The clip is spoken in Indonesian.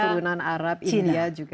kita keturunan arab india juga